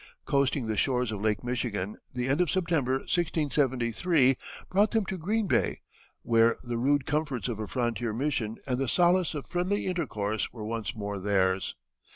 Coasting the shores of Lake Michigan, the end of September, 1673, brought them to Green Bay, where the rude comforts of a frontier mission and the solace of friendly intercourse were once more theirs.